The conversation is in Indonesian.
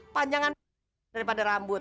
panjangan daripada rambut